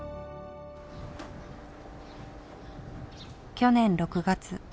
去年６月。